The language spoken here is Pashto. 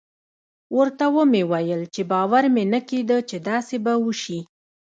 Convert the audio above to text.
ورته ومې ويل چې باور مې نه کېده چې داسې به وسي.